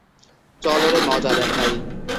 চল, ওরে মজা দেখাই।